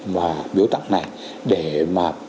và biểu tắc này để mà